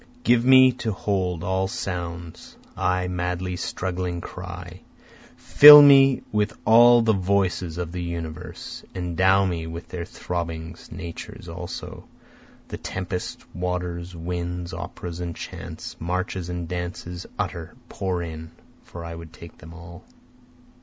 Give me to hold all sounds, (I madly struggling cry,) Fill me with all the voices of the universe, Endow me with their throbbings, Nature's also, The tempests, waters, winds, operas and chants, marches and dances, Utter, pour in, for I would take them all!